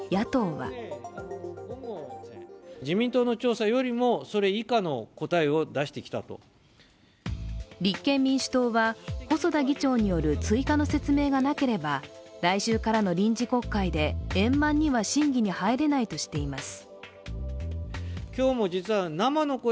野党は立憲民主党は細田議長による追加の説明がなければ来週からの臨時国会で円満には審議には入れないとしています。